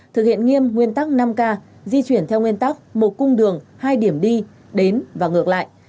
thực hiện nghiêm nguyên tắc năm k di chuyển theo nguyên tắc một cung đường hai điểm đi đến và ngược lại